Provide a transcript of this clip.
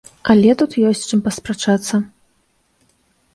Але тут ёсць з чым паспрачацца.